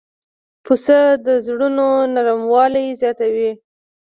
پسه د زړونو نرموالی زیاتوي.